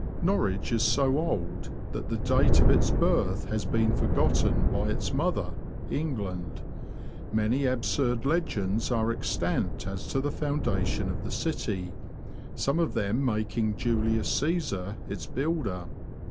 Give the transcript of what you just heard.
70 THE LAND OF THE BROADS. Norwich is so old that the date of its birth has been forgotten by its mother — England. Many absurd legends are extant as to the foundation of the city, some of them making Julius Csesar its builder.